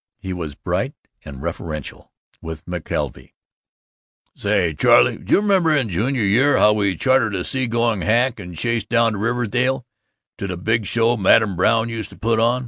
He was bright and referential with McKelvey: "Say, Charley, juh remember in Junior year how we chartered a sea going hack and chased down to Riverdale, to the big show Madame Brown used to put on?